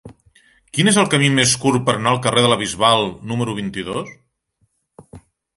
Quin és el camí més curt per anar al carrer de la Bisbal número vint-i-dos?